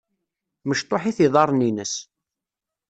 Mecṭuḥ-it yiḍaren-ines.